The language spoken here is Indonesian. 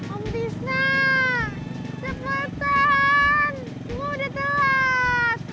om bisna cepetan kamu udah telat